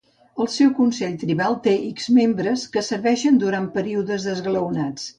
El seu consell tribal té x membres, que serveixen durant períodes esglaonats.